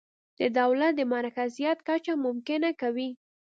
د دولت د مرکزیت کچه ممکنه کوي.